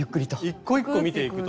１個１個見ていくと。